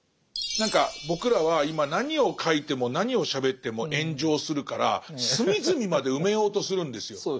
何か僕らは今何を書いても何をしゃべっても炎上するから隅々まで埋めようとするんですよ。